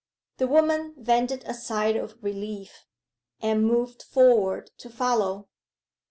The woman vented a sigh of relief, and moved forward to follow.